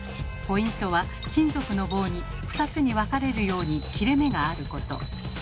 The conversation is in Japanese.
ポイントは金属の棒に２つに分かれるように切れ目があること。